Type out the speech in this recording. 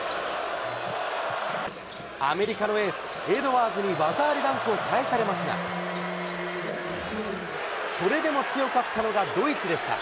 アメリカのエース、エドワーズに技ありダンクを返されますが、それでも強かったのがドイツでした。